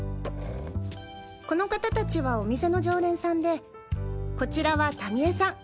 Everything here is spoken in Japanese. この方たちはお店の常連さんでこちらはタミ江さん。